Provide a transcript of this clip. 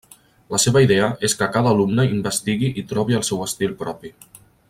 La seva idea és que cada alumne investigui i trobi el seu estil propi.